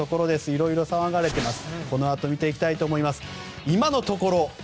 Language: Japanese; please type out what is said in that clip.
いろいろ騒がれてます。